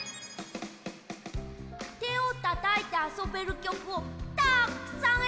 てをたたいてあそべるきょくをたくさんえらんできたよ！